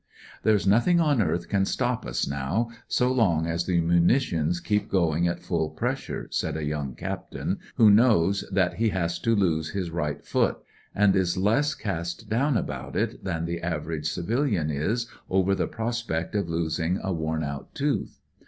" IT'S A GREAT DO '* 221 " There's nothing on earth can stop us now, so long as the munitions keep going at full pressure," said a young captain, who knows that he has to lose his right foot, and is less cast down about it than the average civiUan is over the prospect of losing a wom out tooth.